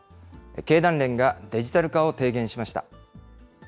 経団連がデジタル化を提言しました。